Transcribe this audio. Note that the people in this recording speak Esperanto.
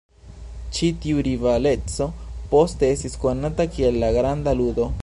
Ĉi tiu rivaleco poste estis konata kiel La Granda Ludo.